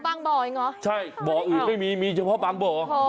อ๋อบางบ่ออีกเหรอใช่บ่ออื่นไม่มีมีเฉพาะบางบ่อ